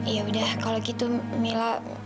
yaudah kalau gitu mila